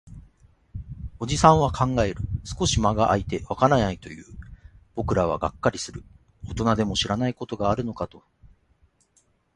おじさんは考える。少し間が空いて、わからないと言う。僕らはがっかりする。大人でも知らないことがあるのかと。